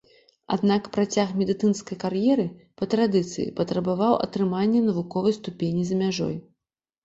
Аднак працяг медыцынскай кар'еры па традыцыі патрабаваў атрымання навуковай ступені за мяжой.